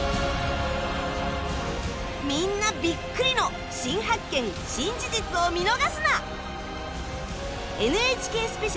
みんなビックリの新発見・新事実を見逃すな！